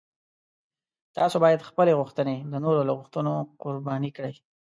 تاسو باید خپلې غوښتنې د نورو له غوښتنو قرباني کړئ.